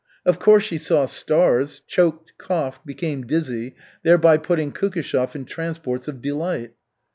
Of course she saw stars, choked, coughed, became dizzy, thereby putting Kukishev in transports of delight.